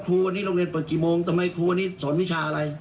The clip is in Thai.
วันนี้โรงเรียนเปิดกี่โมงทำไมครูวันนี้สอนวิชาอะไร